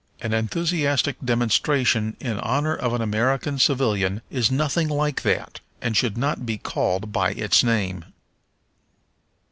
An enthusiastic demonstration in honor of an American civilian is nothing like that, and should not be called by its name.